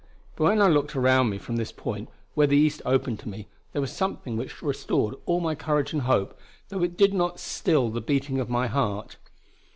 But when I looked around me from this point, where the east opened to me, there was something which restored all my courage and hope, though it did not still the beating of my heart.